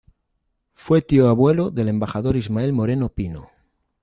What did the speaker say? Fue tío abuelo del embajador Ismael Moreno Pino.